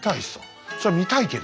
それは見たいさ。